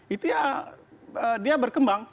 itu ya dia berkembang